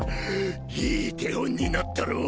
いい手本になったろう？